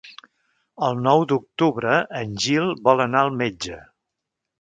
El nou d'octubre en Gil vol anar al metge.